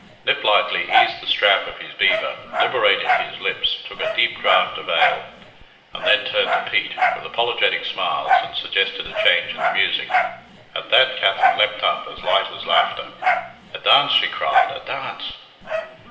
Niplightly eased the strap of his beaver, liberated his lips, took a deep draught of ale, and then turned to Pete, with apologetic smiles, and suggested a change in the music. At that Katherine leapt up as light as laughter. "A dance," she cried, "a dance!"